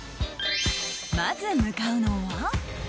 まず向かうのは。